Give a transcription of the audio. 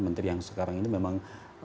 menteri yang sekarang ini memang